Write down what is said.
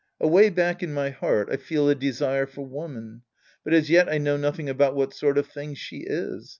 Away back in my heart, I feel a desire for woman. But as yet I know nothing about what sort of thing she is.